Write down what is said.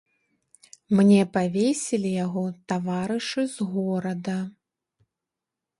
Мне павесілі яго таварышы з горада.